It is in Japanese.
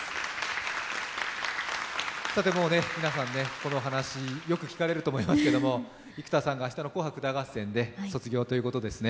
もう皆さん、この話、よく聞かれると思いますけれども、生田さんが明日の「紅白歌合戦」で卒業ということですね。